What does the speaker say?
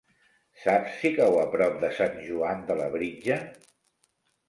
Saps si cau a prop de Sant Joan de Labritja?